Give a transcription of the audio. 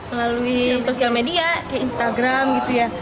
melalui sosial media kayak instagram gitu ya